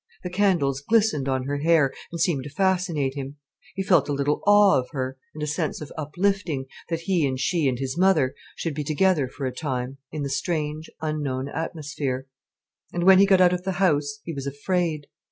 The candles glistened on her hair, and seemed to fascinate him. He felt a little awe of her, and a sense of uplifting, that he and she and his mother should be together for a time, in the strange, unknown atmosphere. And, when he got out of the house, he was afraid.